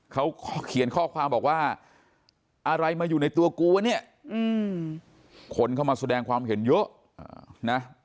เขาเขียนข้อความบอกว่าอะไรมาอยู่ในตัวกูวะเนี่ยคนเข้ามาแสดงความเห็นเยอะนะ